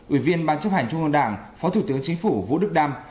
ủy viên ban chấp hành trung ương đảng phó thủ tướng chính phủ vũ đức đam